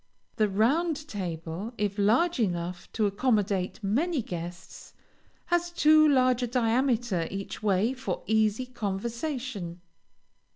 The round table, if large enough to accommodate many guests, has too large a diameter each way for easy conversation.